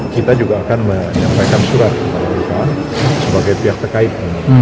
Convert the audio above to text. kita juga akan menyampaikan surat kepada kita sebagai pihak terkait